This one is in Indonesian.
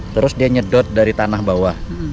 terus dia nyedot dari tanah bawah